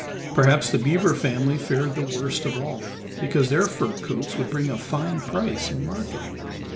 Perhaps the beaver family fared the worst of all, because their fur coats would bring a fine price in market.